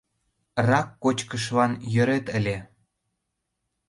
— Рак кочкышлан йӧрет ыле!